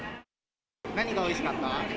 何がおいしかった？